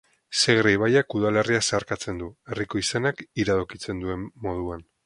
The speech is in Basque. Segre ibaiak udalerria zeharkatzen du, herriko izenak iradokitzen duen moduan.